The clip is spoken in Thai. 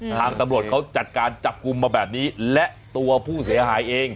ทางตำรวจเขาจัดการจับกลุ่มมาแบบนี้และตัวผู้เสียหายเอง